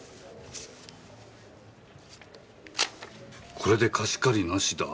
「これで貸し借りなしだ」？